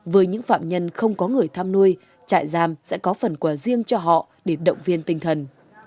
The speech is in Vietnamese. với những phạm nhân không có người thăm nuôi trại giam sẽ có phần quà riêng cho họ để động viên tinh thần